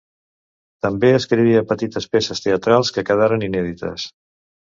També escrivia petites peces teatrals que quedaren inèdites.